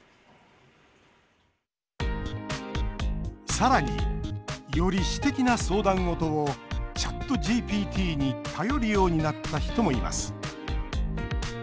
さらに、より私的な相談事をＣｈａｔＧＰＴに頼るようになった人もいます。